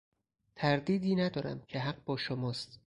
تردیدی ندارم که حق با شماست.